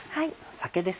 酒です。